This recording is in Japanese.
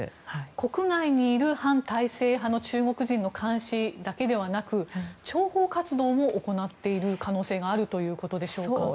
国外にいる反体制派の中国人の監視だけではなく諜報活動も行っている可能性があるということでしょうか。